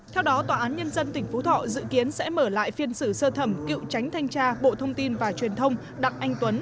theo đó tòa án nhân dân tỉnh phú thọ dự kiến sẽ mở lại phiên xử sơ thẩm cựu tránh thanh tra bộ thông tin và truyền thông đặng anh tuấn